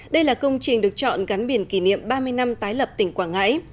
đây là công trình được chọn gắn biển kỷ niệm ba mươi năm tái lập tỉnh quảng ngãi